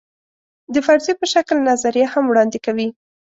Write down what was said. د فرضیې په شکل نظریه هم وړاندې کوي.